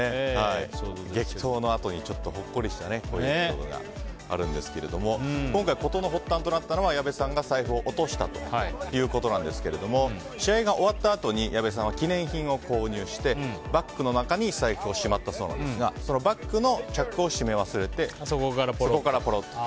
激闘のあとにほっこりしたエピソードがあるんですが今回事の発端となったのは矢部さんが財布を落としたということなんですけれども試合が終わったあとに矢部さんは記念品を購入してバッグの中に財布をしまったそうですがバッグを閉め忘れてそこからぽろっと。